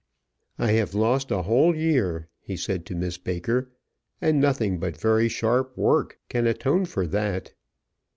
"I have lost a whole year," he said to Miss Baker; "and nothing but very sharp work can atone for that."